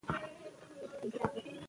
کتاب باید ستاسو مهارتونه لوړ کړي.